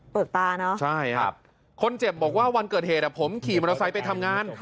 กตาเนอะใช่ครับคนเจ็บบอกว่าวันเกิดเหตุผมขี่มอเตอร์ไซค์ไปทำงาน